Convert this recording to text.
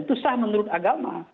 itu sah menurut agama